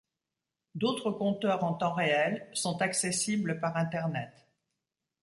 D'autres compteurs en temps réel sont accessibles par internet.